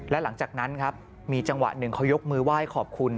และหลังจากนั้นครับมีจังหวะหนึ่งเขายกมือไหว้ขอบคุณ